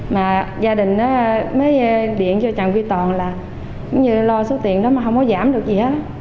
mà gia đình mới điện cho trang quy tòa là cũng như lo số tiền đó mà không có giảm được gì hết